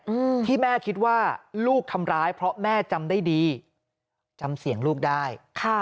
อืมที่แม่คิดว่าลูกทำร้ายเพราะแม่จำได้ดีจำเสียงลูกได้ค่ะ